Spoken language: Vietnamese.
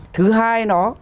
thứ hai nó